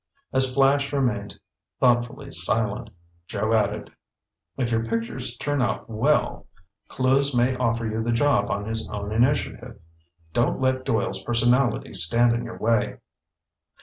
As Flash remained thoughtfully silent, Joe added: "If your pictures turn out well, Clewes may offer you the job on his own initiative. Don't let Doyle's personality stand in your way."